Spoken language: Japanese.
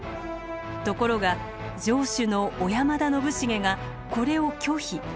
ところが城主の小山田信茂がこれを拒否。